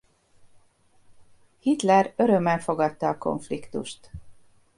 Hitler örömmel fogadta a konfliktust.